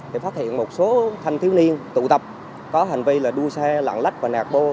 để phát hiện một số thanh thiếu niên tụ tập có hành vi là đua xe lặng lách và nạt bô